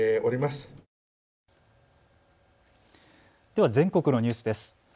では全国のニュースです。